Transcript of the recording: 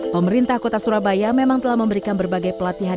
pemerintah kota surabaya memang telah memberikan berbagai pelatihan